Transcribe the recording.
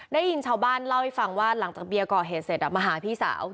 ได้ยินชาวบ้านเล่าให้ฟังว่าหลังจากเบียร์ก่อเหตุเสร็จมาหาพี่สาว